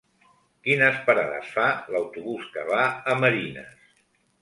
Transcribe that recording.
Quines parades fa l'autobús que va a Marines?